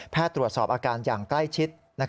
ตรวจสอบอาการอย่างใกล้ชิด